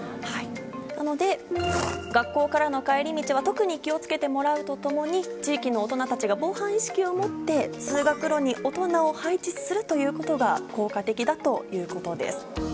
なので学校からの帰り道は特に気を付けてもらうとともに地域の大人たちが防犯意識を持って通学路に大人を配置するということが効果的だということです。